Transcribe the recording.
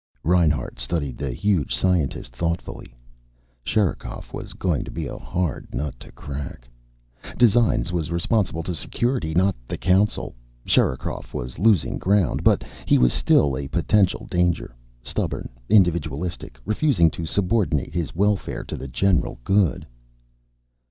Reinhart studied the huge scientist thoughtfully. Sherikov was going to be a hard nut to crack. Designs was responsible to Security, not the Council. Sherikov was losing ground but he was still a potential danger. Stubborn, individualistic, refusing to subordinate his welfare to the general good.